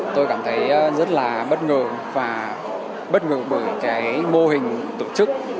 tôi cảm thấy rất là bất ngờ và bất ngờ bởi cái mô hình tổ chức